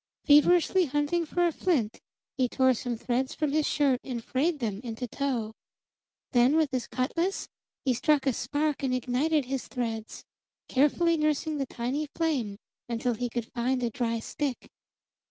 Feverishly hunting for a flint, he tore some threads from his shirt and frayed them into tow. Then with his cutlas he struck a spark and ignited his threads, carefully nursing the tiny flame until he could find a dry stick.